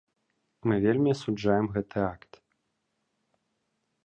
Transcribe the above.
Мы вельмі асуджаем гэты акт.